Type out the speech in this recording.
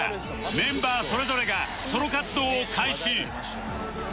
メンバーそれぞれがソロ活動を開始